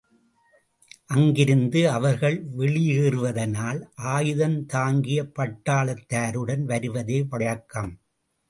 அங்கிருந்து அவர்கள் வெளியேறுவதனால் ஆயுதந்தாங்கிய பட்டாளத்தாருடன் வருவதே வழக்கம்.